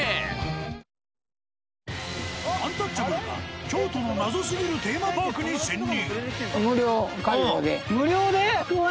アンタッチャブルが、京都の謎すぎるテーマパークに潜入。